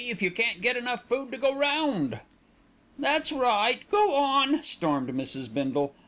if you can't get enough food to go round?" "That's right, go on!" stormed Mrs. Bindle.